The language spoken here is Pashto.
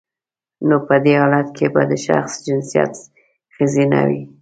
نو په دی حالت کې به د شخص جنسیت خځینه وي